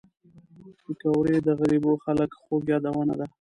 پکورې د غریبو خلک خوږ یادونه ده